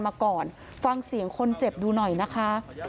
มาก่อนฟังเสียงคนเจ็บดูหน่อยนะคะ